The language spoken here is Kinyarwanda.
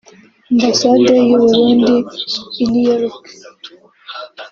Ambassade y’u Burundi i New York